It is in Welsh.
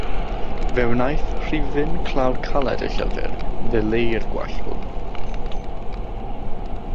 Fe wnaeth rhifyn clawr caled y llyfr ddileu'r gwall hwn.